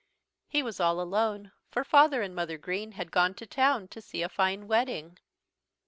He was all alone, for Father and Mother Green had gone to town to see a fine wedding.